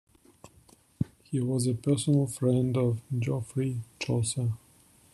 He was a personal friend of Geoffrey Chaucer.